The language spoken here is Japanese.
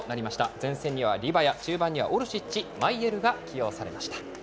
前線にはリバヤ中盤にはオルシッチマイエルが起用されました。